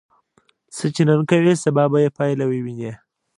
څه چې نن کوې، سبا به یې پایله ووینې.